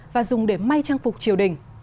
và dùng để may trang phục triều đình